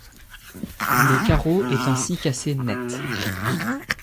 Le carreau est ainsi cassé net.